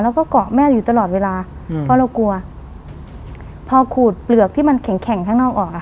แล้วก็เกาะแม่อยู่ตลอดเวลาอืมเพราะเรากลัวพอขูดเปลือกที่มันแข็งแข็งข้างนอกออกอ่ะ